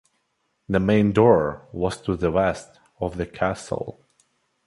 The main door was to the west of the castle.